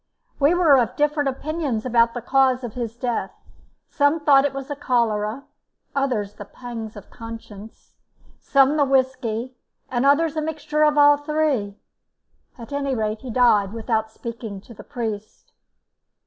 We were of different opinions about the cause of his death; some thought it was the cholera, others the pangs of conscience, some the whisky, and others a mixture of all three; at any rate, he died without speaking to the priest.